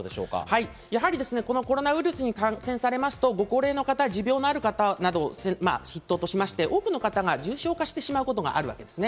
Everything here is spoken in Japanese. コロナウイルスに感染されますとご高齢の方、持病のある方などを筆頭としまして多くの方が重症化してしまうことがあるわけです。